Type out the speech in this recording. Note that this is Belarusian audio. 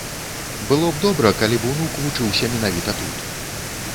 Было б добра, калі б унук вучыўся менавіта тут.